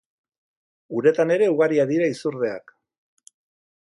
Uretan ere ugariak dira izurdeak.